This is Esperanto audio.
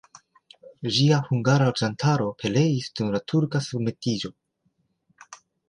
Ĝia hungara loĝantaro pereis dum la turka submetiĝo.